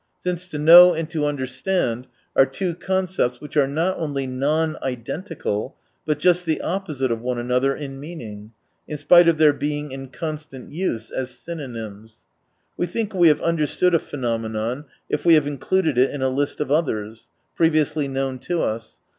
Since " to know " and " to understand" are two concepts which are not only non identical, but just the opposite of one another in meaning ; in spite of their being in constant use as synonyms. We think we have understood a phenomenon if we have included it in a list of others, previously known to us.